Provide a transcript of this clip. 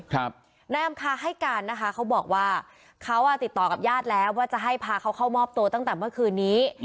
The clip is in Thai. นายอำคาให้การนะคะเขาบอกว่าเขาติดต่อกับญาติแล้วว่าจะให้พาเขาเข้ามอบตัวตั้งแต่เมื่อคืนนี้